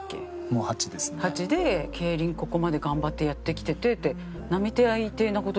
４８で競輪ここまで頑張ってやってきててって。